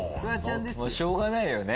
しょうがないよね。